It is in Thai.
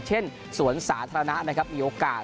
เช่นสวนสาธารณะมีโอกาส